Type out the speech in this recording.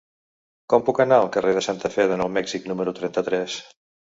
Com puc anar al carrer de Santa Fe de Nou Mèxic número trenta-tres?